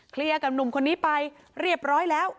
กับหนุ่มคนนี้ไปเรียบร้อยแล้ว